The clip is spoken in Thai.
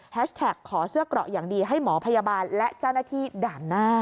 แท็กขอเสื้อเกราะอย่างดีให้หมอพยาบาลและเจ้าหน้าที่ด่านหน้า